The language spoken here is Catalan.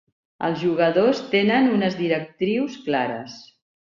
Els jugadors tenen unes directrius clares.